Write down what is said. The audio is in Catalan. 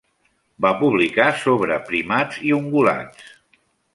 Va publicar sobre primats i ungulats.